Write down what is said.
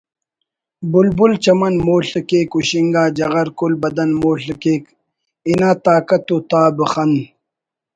بلبل چمن مول/ کیک ہشنگا جغر کل بدن مول/ کیک ہنا طاقت و تاب خن